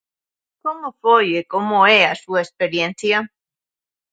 Como foi e como é a súa experiencia?